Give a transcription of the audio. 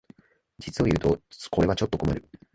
実をいうとこれはちょっと困る